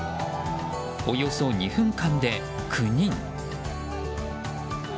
およそ２分間で９人。